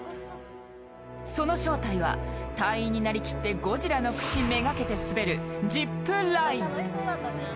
その正体は、隊員になり切ってゴジラの口目がけて滑るジップライン。